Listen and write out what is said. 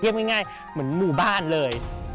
ง่ายเหมือนหมู่บ้านเลย